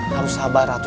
kamu sabar ratu